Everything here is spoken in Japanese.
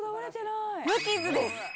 無傷です。